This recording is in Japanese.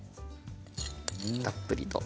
たっぷりと。